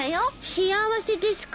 幸せですか？